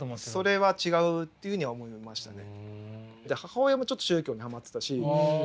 それは違うっていうふうには思いましたね。